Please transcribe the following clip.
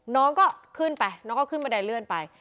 น้องก็ขึ้นไปน้องก็ขึ้นบันไดเลื่อนไป